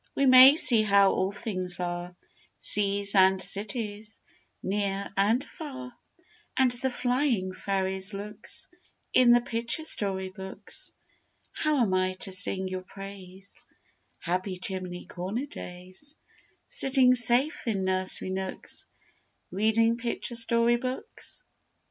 We may see how all things are, Seas and cities, near and far, And the flying fairies' looks, In the picture story books. How am I to sing your praise, Happy chimney corner days, Sitting safe in nursery nooks, Reading picture story books?